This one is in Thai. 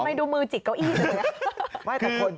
ทำไมดูมือจิกเก้าอี้เหรอ